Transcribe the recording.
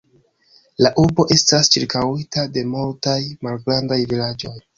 La urbo estas ĉirkaŭita de multaj malgrandaj vilaĝoj.